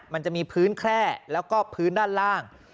มันจะมีพื้นแคล่แล้วก็พื้นด้านล่าง